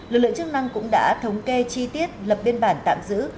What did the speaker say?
lực lượng chức năng cũng đã thống kê chi tiết lập biên bản tạm giữ